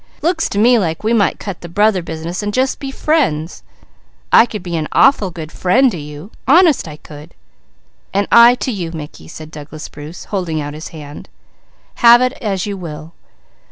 Looks to me like we might cut the brother business and just be friends. I could be an awful good friend to you, honest I could!" "And I to you Mickey," said Douglas Bruce, holding out his hand. "Have it as you will.